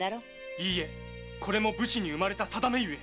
いいえこれも武士に生まれたさだめゆえ！